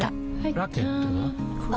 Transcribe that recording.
ラケットは？